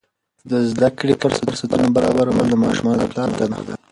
د زده کړې فرصتونه برابرول د ماشومانو د پلار دنده ده.